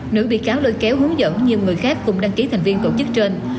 nữ bị cáo lôi kéo hướng dẫn nhiều người khác cùng đăng ký thành viên tổ chức trên